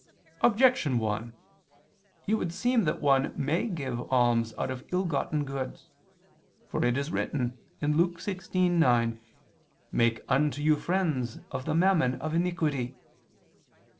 Objection 1: It would seem that one may give alms out of ill gotten goods. For it is written (Luke 16:9): "Make unto you friends of the mammon of iniquity."